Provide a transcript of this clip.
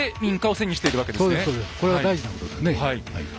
これは大事なことですね。